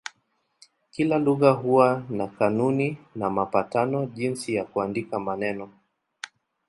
Kila lugha huwa na kanuni na mapatano jinsi ya kuandika maneno.